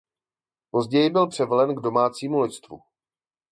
Později byl převelen k Domácímu loďstvu.